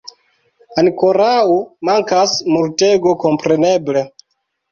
Ankorau mankas multego, kompreneble.